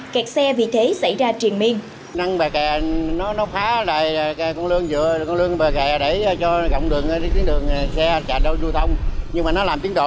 kẹt xe vì thế xảy ra triển miên